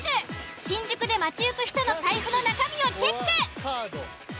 新宿で街行く人の財布の中身をチェック。